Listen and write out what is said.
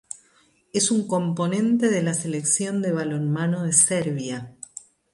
Es un componente de la Selección de balonmano de Serbia.